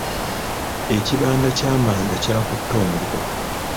Ekibanda ky'amanda kyakutte omuliro.